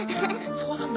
そうなんだ。